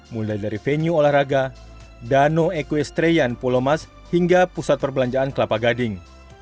mulai dari venue olahraga dano equestrian polomas hingga pusat perbelanjaan kelapa gading